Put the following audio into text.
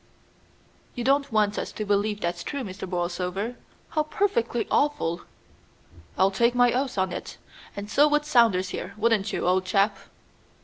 "You don't want us to believe that it's true, Mr. Borlsover? How perfectly awful!" "I'll take my oath on it, and so would Saunders here; wouldn't you, old chap?"